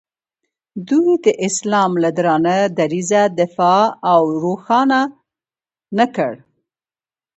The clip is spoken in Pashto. دوی د اسلام له درانه دریځه دفاع او روښانه نه کړ.